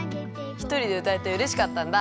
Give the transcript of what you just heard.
ひとりでうたえてうれしかったんだ。